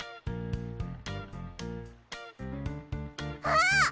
あっ！